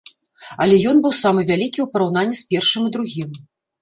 Але ён быў самы вялікі ў параўнанні з першым і другім.